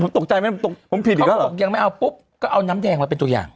ผมตกใจมั้ยผมผิดอีกหรอแล้วไม่เอาปุ๊บก็เอาน้ำแดงมาเป็นตัวแหนะ